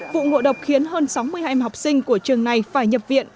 vụ ngộ độc khiến hơn sáu mươi em học sinh của trường này phải nhập viện